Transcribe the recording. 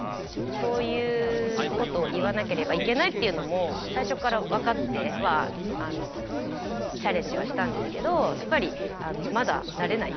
そういうことを言わなければいけないというのも最初から分かってはチャレンジはしたんですけどやっぱりまだ慣れない。